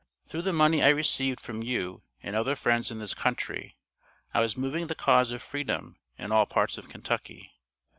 Through the money I received from you and other friends in this country I was moving the cause of freedom in all parts of Kentucky.